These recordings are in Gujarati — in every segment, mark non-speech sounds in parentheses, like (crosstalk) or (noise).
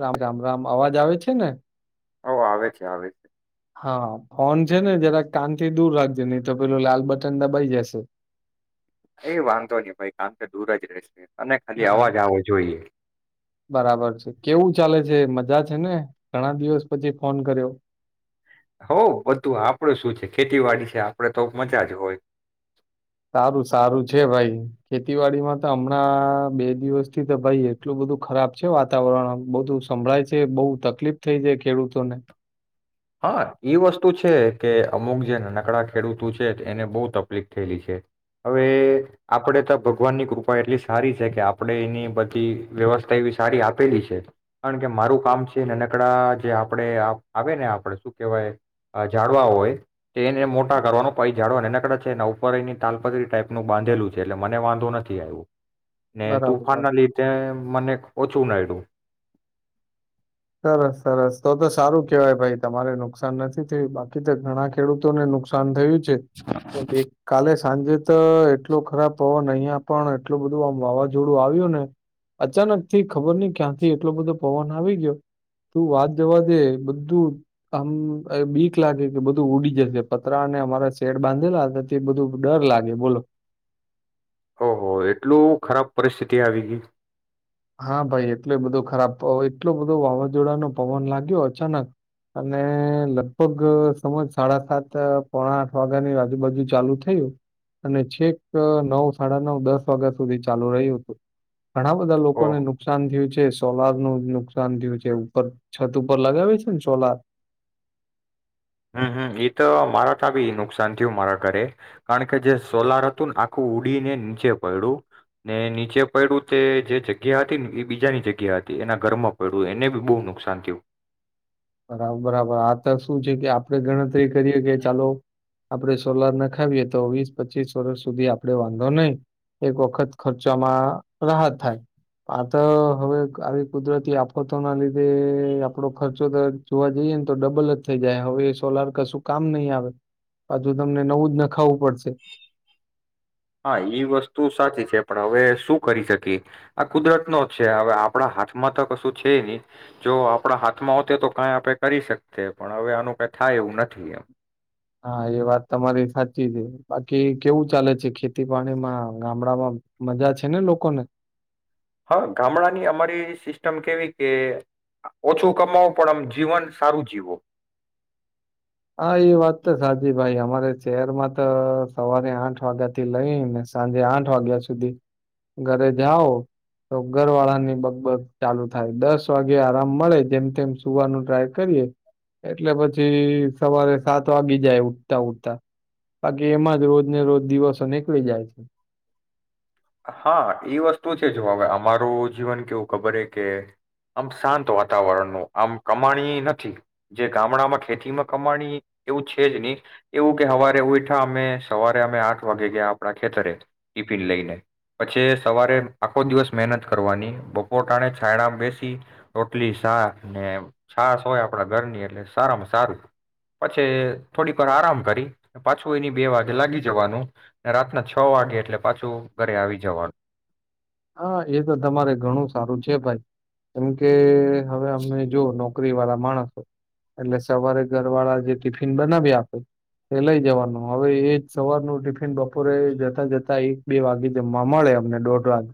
રામ રામ રામ અવાજ આવે છે ને હ આવે છે આવે છે હા ફોન છે ને જરા કાન થી દૂર રાખજે નહી તો પેલું લાલ બટન દબાઈ જશે એ વાંધો નહી ભાઈ કાન થી દૂર જ રહેશે અને ખાલી હા આવજ આવો જોઈએ બરાબર છે કેવું ચાલે છે મજા છે ને ઘણા દિવસ પછી ફોન કર્યો હોઉ બધું આપડે શું છે ખેતીવાડી છે આપડે તો મજા જ હોય સારું સારું છે ભાઈ ખેતીવાડીમાં તો હમણાં બે દિવસથી તો ભાઈ એટલું બધું ખરાબ છે વાતાવરણ બધું સંભળાય છે બહુ તકલીફ થઈ છે ખેડૂતોને હા એ વસ્તુ છે કે અમુક જે નાનકડા ખેડૂત છે એને બહુ તકલીફ થયેલી છે હવે આપણેે તો ભગવાનની કૃપા એટલી સારી છે કે આપણે એની બધી વ્યવસ્થા એવી સારી આપેલી છે કારણ કે મારું કામ છે નાનકડા જે આપણે આવે ને શું કેહેવાય અ જાડવા હોય તો એને મોટા કરવાનો પ એ જાડવા નકળે છે ને ઉપર એની તાલપત્રી ટાઈપ નું બાંધેલું છે એટલે મને વાંધો નથી આવ્યું ને બરાબર. તુંફાનાલીથે મને સુ નાયડુ સરસ સરસ તો તો સારું કેવાય ભાઈ તમારે નુકસાન નથી થયું બાકી તો ઘણા ખેડૂતોને નુકસાન થયું છે બે કાલે સાંજે તો એટલો ખરાબ પવન અહીયા પણ એટલું બધું આમ વાવાઝોડું આવ્યું ને અચાનક થી ખબર નહ ક્યાંથી એટલો બધો પવન આવી ગયો તું વાત જવા દે બધું આમ બીક લાગે કે બધું ઉડી જશે પતરા અને અમારા શેડ બાંધેલાથી બધું ડર લાગે બોલો ઓહ હો એટલું ખરાબ પરિસ્થિતિ આવી ગઈ હા ભાઈ એટલો બધો ખરાબ પ એટલો બધો વાવાઝોડા નો પવન લાગ્યો અચાનક અને લગભગ સમજોને સાડા સાત પોણા આઠ વાગ્યાની આજુબાજુ ચાલુ થયું અને છેક નવ સાડા નવ દસ વાગ્યા સુધી ચાલુ રહ્યું હતું ઘણા બધા ઓહો લોકોને નુકસાન થયું છે. સોલાર નું નુકસાન થયું છે ઉપર છત ઉપર લગાવે છે ને સોલાર હમ્મ હમ્મ એ તો મારા તા બી નુકસાન થયું મારા ઘરે કારણ કે જે સોલાર હતું ને આખું ઉડીને નીચે પયડું ને નીચે પયડું તે જે જગ્યા હતી ને એ બીજાની જગ્યા હતી એના ઘરમાં પડ્યું એને બી બહુ નુકસાન થયું. બરાબર બરાબર આ તો શું છે કે આપડે ગણતરી તે કરીએ કે ચાલો આપડે સોલાર ના ખાવીએ તો વીસ પચીસ વર્ષ સુધી આપડે વાંધો નહી એક વખત ખર્ચામાં રાહત થાય આ તો હવે આવી કુદરતી આફતોના લીધે આપડો ખર્ચો તો જોવા જઈએ ને તો ડબલ જ થઈ જાય હવે એ સોલાર કશું કામ નહી આવે પાછુ તમને નવું જ નખાવું પડશે. હા એઈ વસ્તુ સાચી છે પણ હવે શું કરી શકીએ આ કુદરતનો છે હવે આપણા હાથમાં તો કશું છે નહી જો આપણા હાથમાં હોતે તો કાંઈ આપણે કરી શકએ પણ હવે આનું કઈ થાય એવું નથી એમ. હા એ વાત તમારી સાચી છે બાકી કેવું ચાલે છે ખેતી પાણીમાં ગામડામાં મજા છે ને લોકોને હા ગામડાની અમારી સિસ્ટમ કેવી કે ઓછું કમાવો પણ આ જીવન સારું જીવો હા એ વાત તો સાચી ભાઈ અમારે શહેરમાં તો સવારે આઠ વાગ્યા થી લઈ ને સાંજે આઠ વાગ્યા સુધી ઘરે જાઓ તો ઘરવાળાની બક-બક ચાલુ થાય દસ વાગે આરામ મળે જેમ તેમ સુવાનું ટ્રાય કરીએે એટલે પછી સવારે સાત વાગી જાય ઉઠતા ઉઠતા બાકી એમાંજ રોજને રોજ દિવસો નીકળી જાય છે. હા એ વસ્તુ છે જો હવે અમારું જીવન કેવું ખબર કે આમ શાંત વાતાવરણ નું આમ કમાણી નથી જે ગામડામાં ખેતીમાં કમાણી એવું છે જ નહી એવું કે હવારે ઉએઠા અમે સવારે અમે આઠ વાગે ગયા આપણા ખેતરે ટિફિન લઈને પછી સવારે આખો દિવસ મહેનત કરવાની બપોરટાને છાયણા બેસી રોટલી છા છાચ હોય આપડા ઘરની એટલે સારામાં સારું પછી થોડીક વાર આરામ કરી પાછું એની બે વાગે લાગી જવાનું રાતના છ વાગે એટલે પાછું ઘરે આવી જવાનું. હા એ તો તમારે ઘણું સારું છે ભાઈ કેમ કે હવે અમે જો નો નોકરી વાળા માણસો એટલે સવારે ઘર વાળા જે ટિફિન બનાવી આપે એ લઈ જવાનું હવે એજ સવારનું ટિફિન બપોરે જતા જતા એક બે વાગે જમવા મળે અમને દોઢ વાગે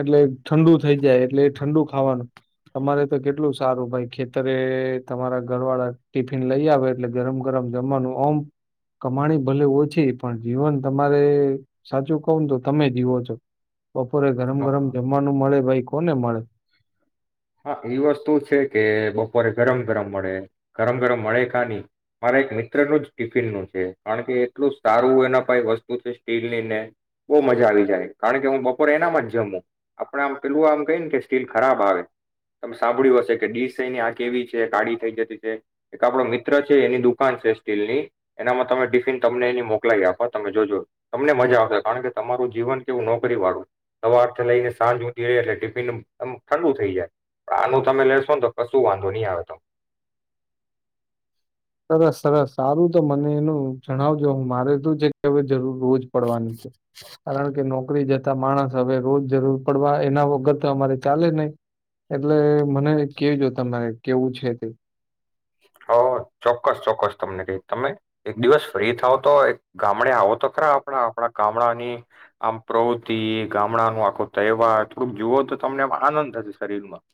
એટલે ઠંડુ થઈ જાય એટલે એ ઠંડુ ખાવાનું તમારે તો કેટલું સારું ભાઈ ખેતરે તમારા ઘર વાળા ટિફિન લઈ આવે એટલે ગરમ ગરમ જમવાનું ઓમ કમાણી ભલે ઓછી પણ જીવન તમારે સાચું કવું ને તો તમે જીવો છો બ બપોરે હા ગરમ-ગરમ જમવાનું મળે ભાઈ. કોને મળે. હા એ વસ્તુ છે કે બપોરે ગરમ ગરમ મળે ગરમ ગરમ મળે કા નહી મારા એક મિત્રનું જ ટિફિનનું છે કારણ કે એટલું સારું એના પાહે વસ્તુ છે સ્ટીલ ની ને બહુ મજા આવી જાય કારણ કે હું બપોરે એનામાં જ જમું આપડ આમ પેલું આમ કહી ને કે સ્ટીલ ખરાબ આવે. તમે સાંભળ્યું હશે કે ડીશ છેને આ કેવી છે કાળી થઈ જતી છે એક આપડો મિત્ર છે એની દુકાન છે સ્ટીલની એનામાં તમે ટિફિન તમને એ મોકલાવી આપો તમે જોજો તમને મજા આવશે કારણ કે તમારું જીવન કેવું નોકરી વાળું સવારથી લઈને સાંજ હુધી રહીએ એટલે ટિફિન આમ ઠંડુ થઈ જાય. આનું તમે લેશો ને તો કશું વાંધો નહી આવે તમ સરસ સરસ સારું તો મને એનું જણાવજો હું મારે તો છે કે હવે જરૂર રોજ પડવાની છે કારણ કે નોકરી જતા માણસ હવે રોજ જરૂર પડવા એના વગર તો અમારે ચાલે નહી એટલે મને કેજો તમારે કેવું છે તે હ ચોક્કસ ચોક્કસ તમને કહી તમે એક દિવસ ફ્રી થાવ તો ગામડે આવો તો ખરા આપણા આપણા ગામડાની આમ પ્રવૃતિ ગામડાનું આખો તહેવાર થોડુંક જુઓ તો તમને આમ આનંદ થશે શરીરમાં.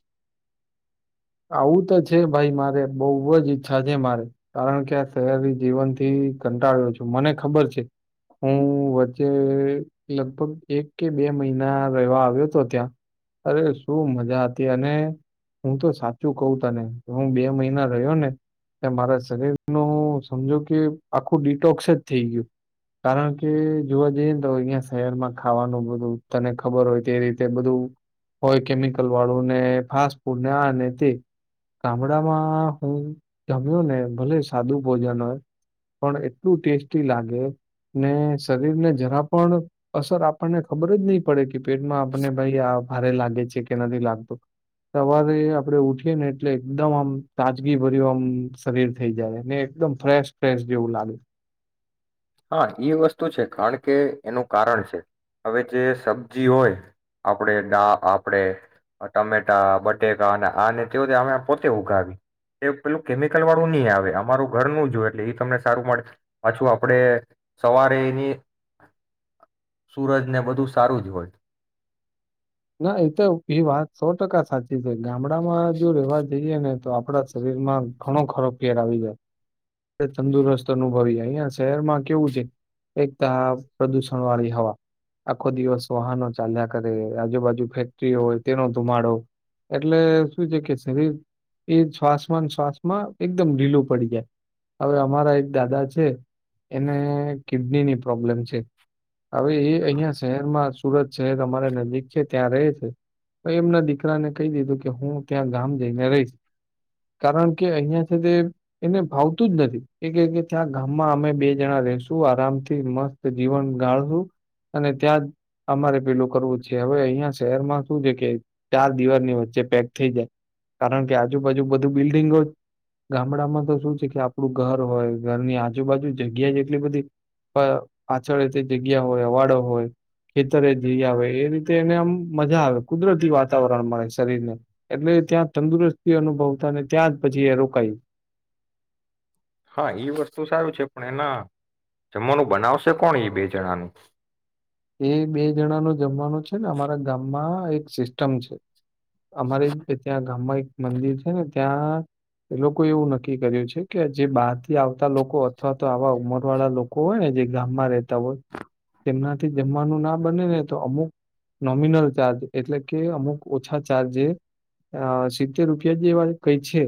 આવું તો છે ભાઈ મારે બહુ જ ઈચ્છા છે મારે કારણ કે આ શહેરી જીવન થી કંટાળ્યો છું મને ખબર છે હું વચ્ચે લગભગ એક કે બે મહિના રહેવા આવ્યો હતો ત્યાં અરે શું મજા હતી અને હું તો સા સાચું કહું તને હું બે મહિના રહ્યો ને તે મારા શરીર નું સમજો કે આખું ડિટોક્સ જ થઈ ગયું કારણ કે જોવા જઈએને તો અહીંયા શહેરમાં ખાવાનું બધું તને ખબર હોય તે રીતે બધું હોય કેમિકલ વાળું ને ફાસ્ટ ફૂડ ને આ ને ગામડામાં હું જમ્યો ને ભલે સાદું ભોજન હોય પણ એટલું ટેસ્ટી લાગે ને શરીર ને જરા પણ અસર આપણને ખબર જ નહી પડે પેટમાં આપને ભાઈ આ ભારે લાગે છે કે નથી લાગતું સવારે આમ આપડે ઉઠીએ ને એટલે એકદમ આમ તાજગી ભર્યું આમ શરીર થઈ જાય ને એકદમ ફ્રેશ ફ્રેશ જેવું લાગે. હા એ વસ્તુ છે કારણ કે એનું કારણ છે હવે જે સબ્જી હોય આપણે દા આપણેે ટમેટા બટેકા અને આને તેઓ પોતે ઉગાવી તે પેલું કેમિકલ વાળું નહી આવે અમારું ઘર નું જોય એટલે એ તમને સારું પાછું આ આપણે સવારે એની સુરજ ને બધું સારું જ હોય ના એ તો એ વાત સો ટકા સાચી છે ગામડામાં જો રેવા જઈએ ને તો આપડા શરીરમાં ઘણો ખરો ફેર આવી જાય તંદુરસ્ત અનુભવી અહિયાં શહેરમાં કેવું છે એક તો આ પ્રદુષણ વાળી હવા આખો દિવસ વાહનો ચાલ્યા કરે. આજુબાજુ ફેક્ટરી હોય તેનો ધુમાડો એટલે શું છે કે શરીર એ શ્વાસમાંન શ્વાસમાં એકદમ ઢીલું પડી જાય હવે અમારા એક દાદા છે એને કિડનીની પ્રોબ્લેમ છે હવે એ અહીયા શહેરમાં સુરત શહેર અમારા નજીક ત્યાં રહે છે એમના દીકરાને કહી દીધું કે હું ત્યાં ગામ જઈને રહીશ કારણ કે અહીં છે તે એને ભાવતું જ નથી એ ત્યાં ગામમાં અમે બે જણા રેશું આરામથી મસ્ત જીવન ગાળશું અને ત્યાં જ અમારે પેલું કરવું છે. કે હવે અહિયાં શહેરમાં શું છે કે ચાર દિવારની વચ્ચે પેક થઈ જાય કારણ કે આજુબાજુ બધું બિલ્ડિંગો ગામડામાં તો શું છે કે આપડું ઘર હોય ઘરની આજુબાજુ જગ્યા એટલી બધી પાછળ તે જગ્યા હોય અવાડો હોય ખેતરે જી આવે ઈ એને આમ મજા આવે કુદરતી વાતાવરણ મળે શરીર ને એટલે ત્યાં તંદુરસ્તી અનુભવતા ને ત્યાં જ પછી એ રોકાય હા ઈ વસ્તુ સારું છે પણ એના જમવાનું બનાવશે કોણ ઈ બે જણાનું. એ બે જણા નુ જમવાનુ છે ને અમારા ગામમાં એક સિસ્ટમ છે, અમારે ત્યાં ગામમાં એક મંદિર છે ને ત્યાં એ લોકો એવું નક્કી કર્યું છે કે જે બહારથી આવતા લોકો અથવા તો આવા ઉંમર વાળા લોકો હોય ને જે ગામમાં રહેતા હોય તેમના થી જમવાનું ના બને ને તો અમુક નોમિનલ ચાર્જ એટલે કે અમુક ઓછા ચાર્જ અ સિત્તેર રૂપિયા જેવા કઈ છે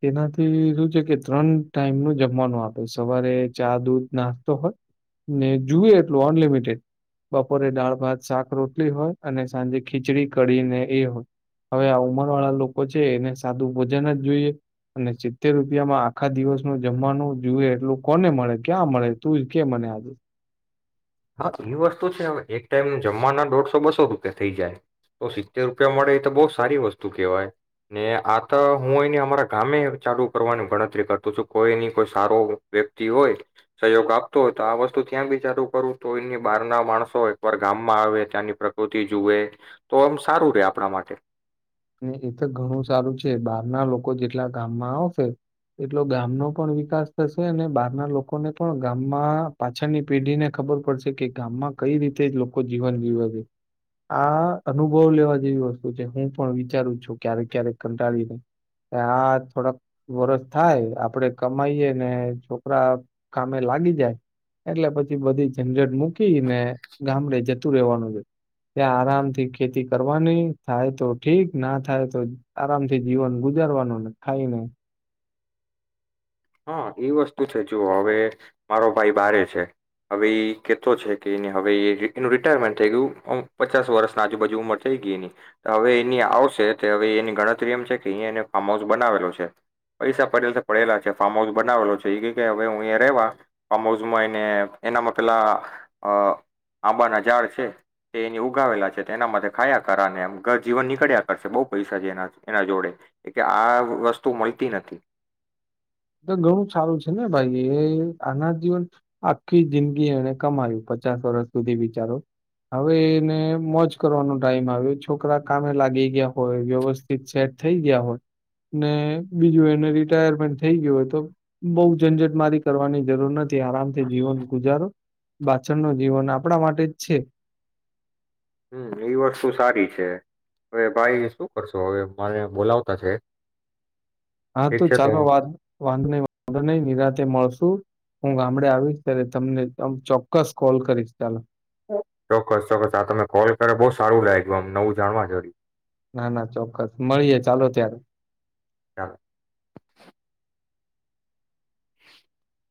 તેનાથી શું છે કે ત્રણ ટાઈમ નું જમવાનું આપે સવારે ચા દૂધ નાસ્તો હોય ને જુએ એટલું અનલિમિટેડ બપોરે દાળ ભાત શાક રોટલી હોય અને સાંજે ખીચડી કડી એ હોય હવે આ ઉંમર વાળા લોકો છે એને સાદું ભોજન જ જોઈએ અને સિત્તેર રૂપિયામાં આખા દિવસનું જમવાનું જુએ એટલું કોને મળે ક્યાં મળે તું કે મને આજે હા એ વસ્તુ છે એક ટાઈમ જમવાના દોઢસો બસો રૂપિયા થઈ જાય તો સિત્તેર રૂપિયા મળે એ તો બહુ સારી વસ્તુ કહેવાય ને આ તો હું એને અમારા ગામે ચાલુ કરવાની ગણતરી કરતો છું કોઈની કોઈ સારો વ્યક્તિ હોય સહયોગ આપતો હોય તો આ વસ્તુ ત્યાં બી ચાલુ કરું તો એની બહાર ના માણસો એકવાર ગામમાં આવે ત્યાંની પ્રકૃતિ જુવે તો આમ સારું રે આપણા માટે એ તો ઘણું સારું છે બહારના લોકો જેટલા ગામમાં આવશે એટલો ગામનો પણ વિકાસ થશે અને બહારના લોકોને પણ ગામમાં પાછળની પેઢીને ખબર પડશે કે ગામમાં કઈ રીતે જ લોકો જીવન જીવે છે આ અનુભવ લેવા જેવી વસ્તુ છે હું પણ વિચારું છું ક્યારેક ક્યારેક કંટાળીનેહી આ થોડાક વરષ થાય આપડે કમાઈએ ને છોકરા કામે લાગી જાય એટલે પછી બધી જનજટ મૂકીને ગામડે જતું રહેવાનું છે ત્યાં આરામ થી ખેતી કરવાની થાય તો ઠીક ના થાય તો આરામથી જીવન ગુજારવાનુંને ખાયને હા એ વસ્તુ છે જુ હવે મારો ભાઈ બારે છે હવે એ કેતો છે કે હવે એનું રિટાયરમેન્ટ થઈ ગયું પચાસ વર્ષના આજુબાજુ ઉંમર થઈ ગઈ એની હવે એની આવશે હવે એની ગણતરી એમ છે કે અહીયા એને ફાર્મ હાઉસ બનાવેલો છે પૈસા પડેલા છે ફાર્મ હાઉસ બનાવેલો છે એ કે હવે હું એ રેવા ફાર્મ હાઉસમાં એને એનામાં પેલા અ આંબાના ઝાડ છે તે એને ઉગાવેલા છે એના માટે ખાયા કરાને એમ જીવન નીકળ્યા કરશે બહુ પૈસા છે એના જોડે આ વસ્તુ મળતી નથી ઘણું સારું છે ને ભાઈ એ આના જીવન આખી જિંદગી એને કમાયું પચાસ વર્ષ સુધી બિચારો હવે એને મોજ કરવાનો ટાઈમ આવ્યો છોકરા કામે લાગી ગયા હોય વ્યવસ્થિત સેટ થઈ ગયા હોય ને બીજું એને રિટાયરમેન્ટ થઈ ગયું હોય તો બહ ઝંઝટ મારી કરવાની જરૂર નથી આરામથી જીવન ગુજારો પાછળ નો જીવન આપણા માટે જ છે હમ્મ એ વસ્તુ સારી છે હવે ભાઈ શું કરશો હવે મને બોલાવતા છે હા ઠીક તો છે ચાલો હું વા વાંધો નહી વાંધો નહી નિરાતે મળશુ હું ગામડે આવીશ ત્યારે તમને અમ ચોક્કસ કોલ કરીશ ચાલો ચોક્કસ ચોક્કસ આ તમે કોલ કર બહુ સારું લાગિયું આમ નવું જાણવા જોડયું ના ના ચોક્કસ મળીએે ચાલો ત્યારે ચાલો (inaudible)